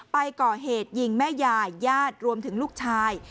ไปก่อเหตุยิงแม่ยายญาติรวมถึงลูกชาย